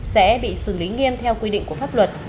sẽ bị xử lý nghiêm theo quy định của pháp luật